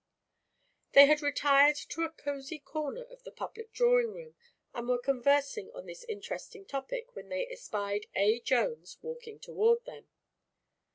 They had retired to a cosy corner of the public drawing room and were conversing on this interesting topic when they espied A. Jones walking toward them.